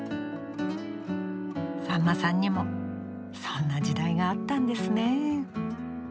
さんまさんにもそんな時代があったんですね。